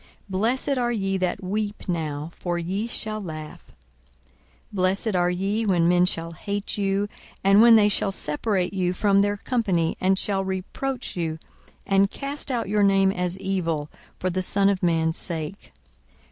Blessed are ye that weep now: for ye shall laugh. 42:006:022 Blessed are ye, when men shall hate you, and when they shall separate you from their company, and shall reproach you, and cast out your name as evil, for the Son of man's sake.